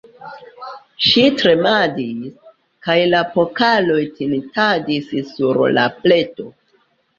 Ŝi tremadis, kaj la pokaloj tintadis sur la pleto.